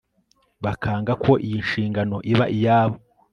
bakanga ko iyi nshingano iba iyabo